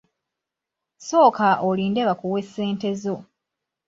Sooka olinde bakuwe ssente zo.